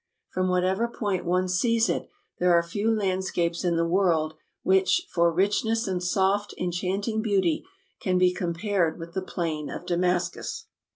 From whatever point one sees it, there are few landscapes in the world which, for richness and soft, enchanting beauty, can be compared with the plain of Damascus.